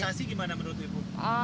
sosialisasi gimana menurut ibu